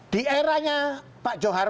di eranya pak johara